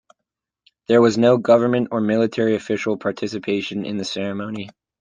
There was no government or military official participation in the ceremony.